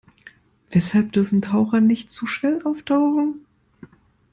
Weshalb dürfen Taucher nicht zu schnell auftauchen?